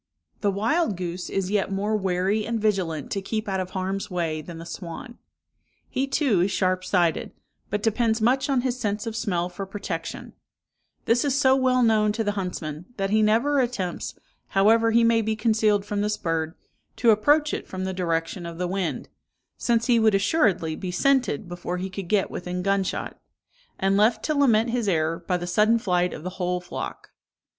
"The wild goose is yet more wary and vigilant to keep out of harm's way than the swan. He too is sharp sighted, but depends much on his sense of smell for protection: this is so well known to the huntsman, that he never attempts, however he may be concealed from this bird, to approach it from the direction of the wind; since he would assuredly be scented before he could get within gun shot, and left to lament his error, by the sudden flight of the whole flock.